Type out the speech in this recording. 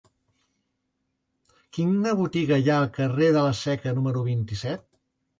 Quina botiga hi ha al carrer de la Seca número vint-i-set?